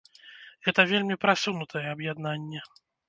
Гэта вельмі прасунутае аб'яднанне.